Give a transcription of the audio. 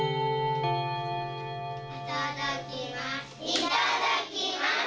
いただきます。